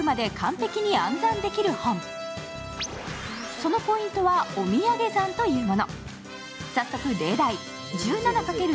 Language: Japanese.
そのポイントはおみやげ算というもの。